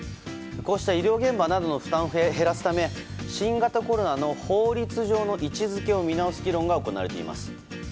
こうした医療現場の負担を減らすため新型コロナの法律上の位置づけを見直す議論が行われています。